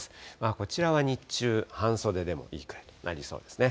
こちらは日中、半袖でもいいくらいになりそうですね。